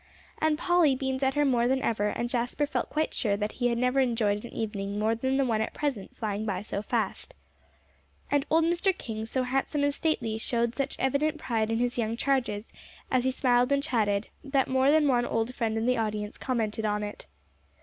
And Polly beamed at her more than ever, and Jasper felt quite sure that he had never enjoyed an evening more than the one at present flying by so fast. And old Mr. King, so handsome and stately, showed such evident pride in his young charges, as he smiled and chatted, that more than one old friend in the audience commented on it.